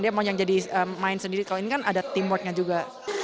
dia mau yang jadi main sendiri kalau ini kan ada teamworknya juga